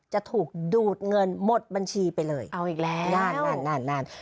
จะถูกดูดเงินหมดบัญชีไปเลยเอาอีกแล้วนั่นนั่น